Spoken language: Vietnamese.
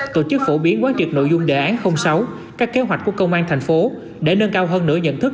tổ chức phổ biến quán triệt nội dung đề án sáu các kế hoạch của công an thành phố để nâng cao hơn nửa nhận thức